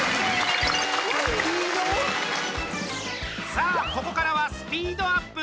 さあ、ここからはスピードアップ。